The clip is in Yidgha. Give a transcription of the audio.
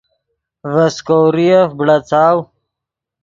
ڤے سیکوریف بڑاڅاؤ